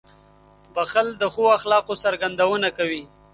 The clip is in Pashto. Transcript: • بښل د ښو اخلاقو څرګندونه کوي.